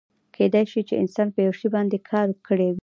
کیدای شي چې انسان په یو شي باندې کار کړی وي.